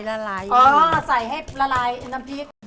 ละลายใส่ให้ละลายน้ำพริก